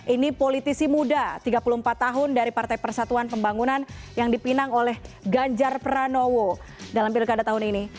ini politisi muda tiga puluh empat tahun dari partai persatuan pembangunan yang dipinang oleh ganjar pranowo dalam pilkada tahun ini